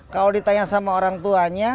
kalau ditanya sama orang tuanya